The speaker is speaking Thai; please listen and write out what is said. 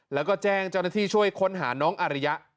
แล้วก็แจ้งเจ้าหน้าที่ช่วยค้นหาน้องอาริยะ